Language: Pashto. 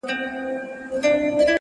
ه ستا د غزل سور له تورو غرو را اوړي;